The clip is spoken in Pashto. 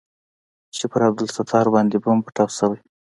چې پر عبدالستار باندې بم پټاو سوى.